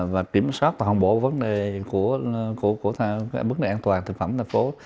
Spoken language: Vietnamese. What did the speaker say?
và kiểm soát và hòng bổ vấn đề của mức này an toàn thực phẩm thành phố